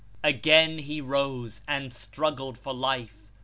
Again he rose, and struggled for life.